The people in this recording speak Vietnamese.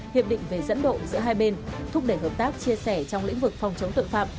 hiệp định về dẫn độ giữa hai bên thúc đẩy hợp tác chia sẻ trong lĩnh vực phòng chống tội phạm